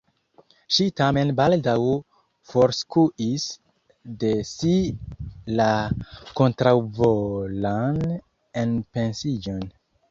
Ŝi tamen baldaŭ forskuis de si la kontraŭvolan enpensiĝon.